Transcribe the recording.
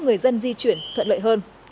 người dân di chuyển thuận lợi hơn